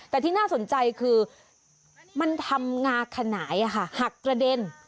แต่ที่น่าสนใจคือมันทำงาขนายหักกระเด็น